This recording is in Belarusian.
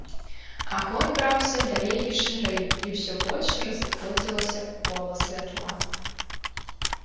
Агонь браўся далей і шырэй, і ўсё больш разыходзілася кола святла.